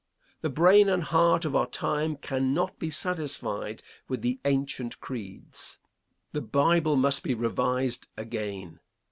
The brain and heart of our time cannot be satisfied with the ancient creeds. The Bible must be revised again.